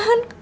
gak ada kamu